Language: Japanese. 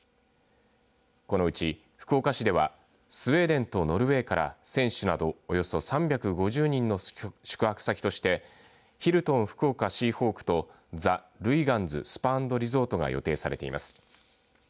このうち福岡市ではスウェーデンとノルウェーから選手などおよそ３５０人の宿泊先としてヒルトン福岡シーホークとザ・ルイガンズ．スパ＆リゾートが予定されています。